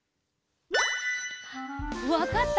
わかった？